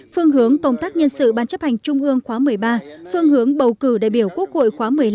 phương hướng công tác nhân sự ban chấp hành trung ương khóa một mươi ba phương hướng bầu cử đại biểu quốc hội khóa một mươi năm